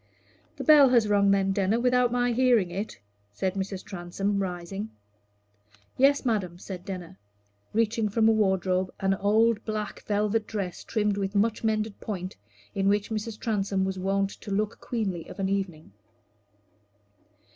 "The bell has rung, then, Denner, without my hearing it?" said Mrs. Transome, rising. "Yes, madam," said Denner, reaching from a wardrobe an old black velvet dress trimmed with much mended point, in which Mrs. Transome was wont to look queenly of an evening.